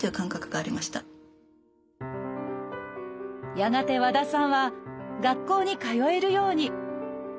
やがて和田さんは学校に通えるように。